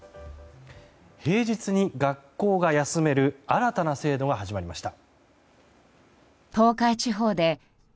平日に学校が休める新たな制度が始まりました。